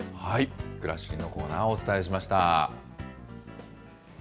くらしりのコーナー、お伝えしました。